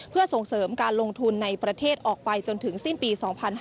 เพื่อส่งเสริมการลงทุนในประเทศออกไปจนถึงสิ้นปี๒๕๕๙